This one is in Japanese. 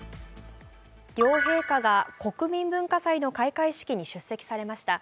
両陛下が国民文化祭の開会式に出席されました。